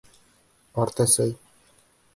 Ҡартәсәй!